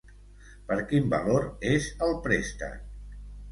Per quin valor és el préstec?